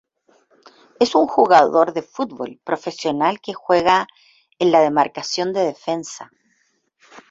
Es un jugador de fútbol profesional que juega en la demarcación de defensa.